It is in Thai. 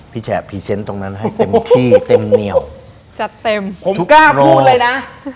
แฉะพรีเซนต์ตรงนั้นให้เต็มที่เต็มเหนียวจัดเต็มผมกล้าพูดเลยนะ